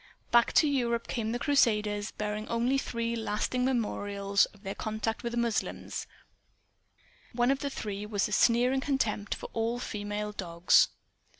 Back to Europe came the Crusaders, bearing only three lasting memorials of their contact with the Moslems. One of the three was a sneering contempt for all female dogs.